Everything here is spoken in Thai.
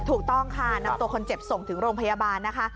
ถูกต้องค่ะนำตัวคนเจ็บส่งถึงโรงพยาบาลนะคะ